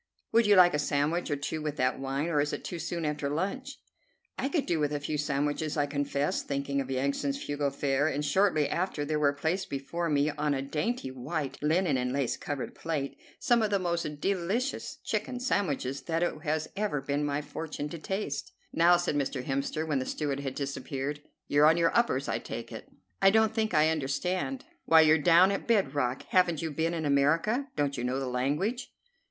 "Would you like a sandwich or two with that wine, or is it too soon after lunch?" "I could do with a few sandwiches," I confessed, thinking of Yansan's frugal fare; and shortly after there were placed before me, on a dainty, white, linen and lace covered plate, some of the most delicious chicken sandwiches that it has ever been my fortune to taste. "Now," said Mr. Hemster, when the steward had disappeared, "you're on your uppers, I take it." "I don't think I understand." "Why, you're down at bed rock. Haven't you been in America? Don't you know the language?"